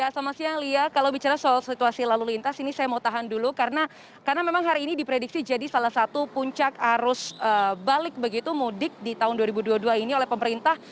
selamat siang lia kalau bicara soal situasi lalu lintas ini saya mau tahan dulu karena memang hari ini diprediksi jadi salah satu puncak arus balik begitu mudik di tahun dua ribu dua puluh dua ini oleh pemerintah